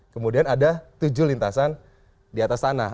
kemudian ada tujuh lintasan di atas tanah